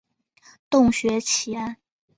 洞穴奇案。